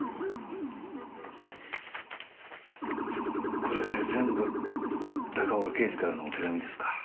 これ全部高岡刑事からの手紙ですか？